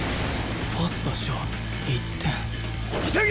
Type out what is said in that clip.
パス出しゃ１点潔！